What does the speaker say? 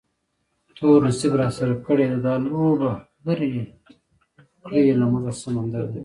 تور نصیب راسره کړې ده دا لوبه، لرې کړی یې له موږه سمندر دی